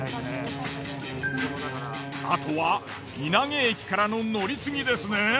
あとは稲毛駅からの乗り継ぎですね。